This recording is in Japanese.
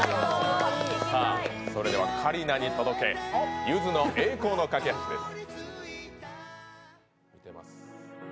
それでは桂里奈に届け、ゆずの「栄光の架橋」です。